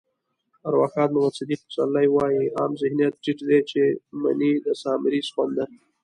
ارواښاد محمد صدیق پسرلی وایي: عام ذهنيت ټيټ دی چې مني د سامري سخوندر.